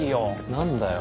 何だよ？